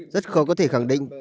rất khó có thể khẳng định